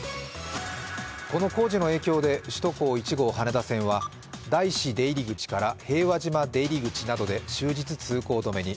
この工事の影響で首都高速１号羽田線は大師出入り口から平和島出入り口などで終日通行止めに。